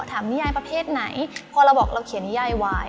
นิยายประเภทไหนพอเราบอกเราเขียนนิยายวาย